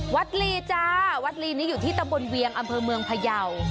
ลีจ้าวัดลีนี้อยู่ที่ตำบลเวียงอำเภอเมืองพยาว